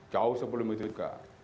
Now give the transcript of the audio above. jauh sebelum itu juga